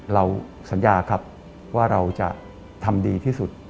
เราสัญญาครับว่าเราจะทำดีที่สุด